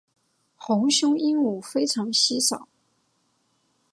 红胸鹦鹉非常稀少。